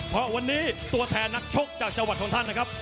เพราะวันนี้ตัวแทนนักชกจากจังหวัดของท่านนะครับ